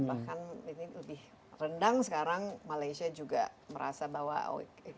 bahkan ini lebih rendang sekarang malaysia juga merasa bahwa